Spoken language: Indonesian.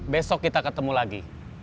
besok kita ketemu lagi